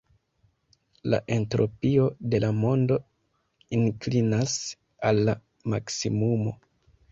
La entropio de la mondo inklinas al la maksimumo.